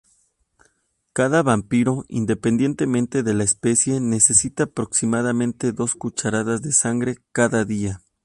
Cada vampiro, independientemente de la especie, necesita aproximadamente dos cucharadas de sangre cada día.